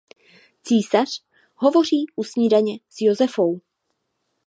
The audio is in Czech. Císař hovoří u snídaně s Josefou.